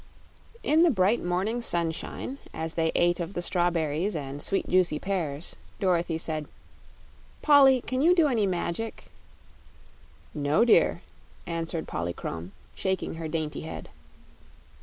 In the bright morning sunshine, as they ate of the strawberries and sweet juicy pears, Dorothy said: "Polly, can you do any magic?" "No dear," answered Polychrome, shaking her dainty head.